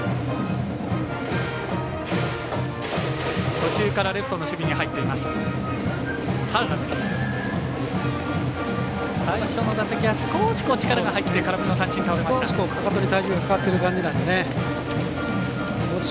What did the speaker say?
途中からレフトの守備に入っています原田です。